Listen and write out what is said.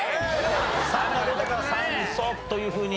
「酸」が出たから酸素というふうに。